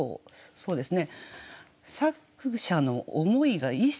そうですね。